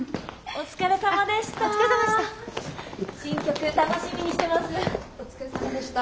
お疲れさまでした。